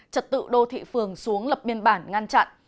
trật tự đô thị phường xuống lập biên bản ngăn chặn